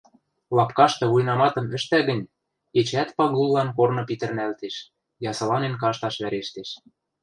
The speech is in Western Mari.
Лапкашты вуйнаматым ӹштӓ гӹнь, эчеӓт Пагуллан корны питӹрнӓлтеш, ясыланен кашташ вӓрештеш.